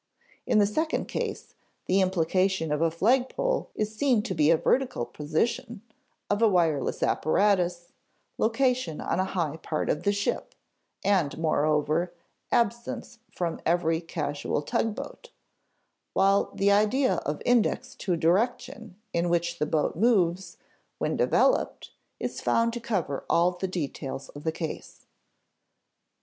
In the second case, the implication of a flagpole is seen to be a vertical position; of a wireless apparatus, location on a high part of the ship and, moreover, absence from every casual tugboat; while the idea of index to direction in which the boat moves, when developed, is found to cover all the details of the case.